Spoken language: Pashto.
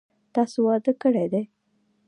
تاسو واده کړی دی؟